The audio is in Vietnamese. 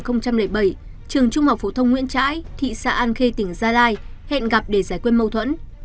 trường trung học phố thông nguyễn trãi thị xã an khê tỉnh gia lai hẹn gặp để giải quyết mâu thuẫn